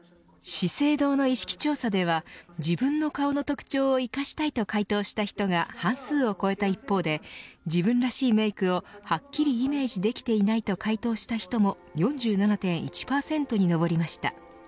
資生堂の意識調査では自分の顔の特徴を生かしたいと回答した人が半数を超えた一方で自分らしいメークをはっきりイメージできていないと回答した人も４７．１％に上りました。